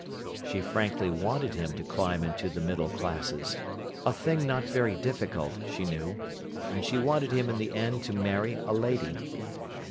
She frankly wanted him to climb into the middle classes, a thing not very difficult, she knew. And she wanted him in the end to marry a lady.